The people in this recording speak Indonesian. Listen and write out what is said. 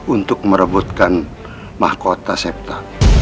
untuk merebutkan mahkota septa